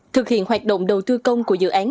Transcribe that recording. thực hiện hoạt động đầu tư công của dự án